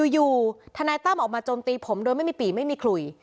อยู่ทนายตั้มออกมาโจมตีผมโดยไม่มีปีไม่มีขลุย